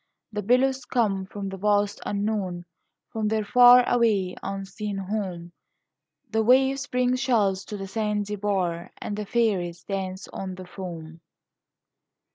The billows come from the vast unknown From their far away unseen home; The waves bring shells to the sandy bar, And the fairies dance on the foam.